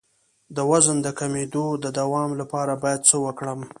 د وزن د کمیدو د دوام لپاره باید څه وکړم؟